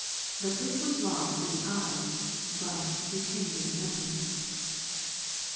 But this was lost to the eyes, but retained in the memory. [XIX.